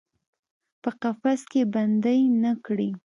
په قفس کې بندۍ نه کړي